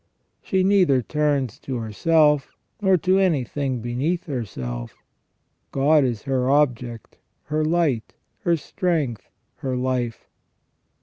She neither turns to herself, nor to anything beneath herself. God is her object, her light, her strength, her life.